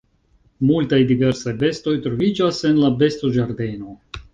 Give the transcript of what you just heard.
Multaj diversaj bestoj troviĝas en la bestoĝardeno.